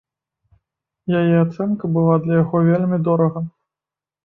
Яе ацэнка была для яго вельмі дорага.